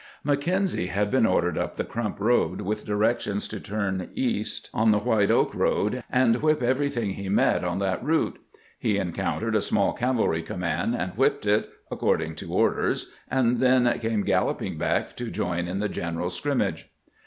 Mackenzie had been ordered up the Crump road, with directions to turn east on the White Oak road, and whip everything he met on that route. He encountered a small cavalry command, and whipped it, according to orders, and then came galloping back to join in the general scrimmage.